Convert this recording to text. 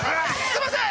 すいません！！